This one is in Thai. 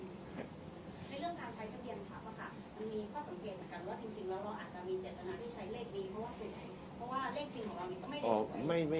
ในเรื่องการใช้ทะเบียนครับว่าค่ะมันมีข้อสังเกตกันว่าจริงแล้วเราอาจจะมีเจตนาที่ใช้เลขนี้เพราะว่าคือไหน